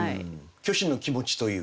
虚子の気持ちというか。